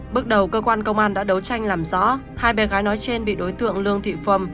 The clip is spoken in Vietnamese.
bước đầu cơ quan công an đã đấu tranh làm rõ hai bé gái nói trên bị đối tượng lương thị phâm